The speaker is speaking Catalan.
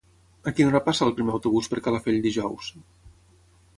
A quina hora passa el primer autobús per Calafell dijous?